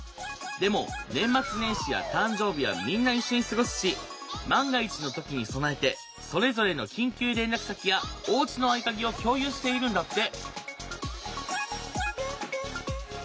でも年末年始や誕生日はみんな一緒に過ごすし万が一の時に備えてそれぞれの緊急連絡先やおうちの合鍵を共有しているんだって。